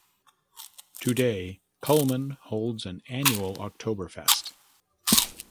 Today, Cullman holds an annual Oktoberfest.